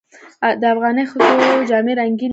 د افغاني ښځو جامې رنګینې دي.